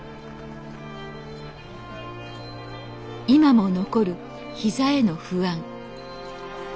今も残る膝への不安。